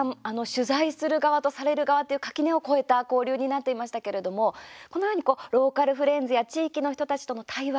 取材する側とされる側という垣根を超えた交流になっていましたけれどもこのようにローカルフレンズや地域の人たちとの対話